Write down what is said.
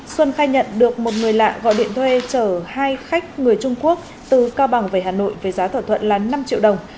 xuân khai nhận được một người lạ gọi điện thuê chở hai khách người trung quốc từ cao bằng về hà nội với giá thỏa thuận là năm triệu đồng